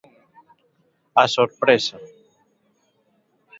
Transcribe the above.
A sorpresa.